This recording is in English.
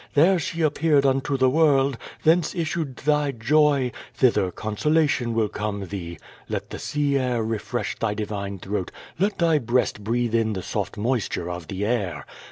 There she appeared unto the world; thence issued thy joy; thither consolation will come thee. Let the sea air refresh thy divine throat; let thy breast breathe in the soft moisture of the air.